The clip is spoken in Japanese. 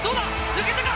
抜けたか？